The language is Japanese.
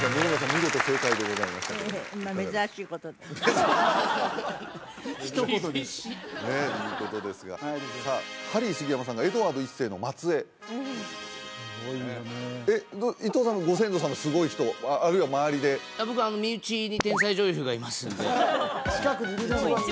見事正解でございましたけどもひと言で厳しっさあハリー杉山さんがエドワード１世の末えいすごいよね伊藤さんもご先祖様すごい人あるいは周りで僕身内に天才女優がいますんで近くにいるね